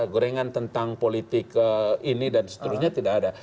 gorengan tentang politik ini dan seterusnya tidak ada